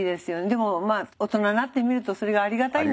でも大人になってみるとそれがありがたいんですけどね